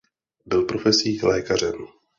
Byl profesí lékařem.